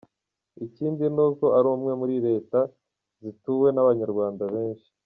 Ikindi ni uko ari imwe muri Leta zituwe n’Abanyarwanda benshi.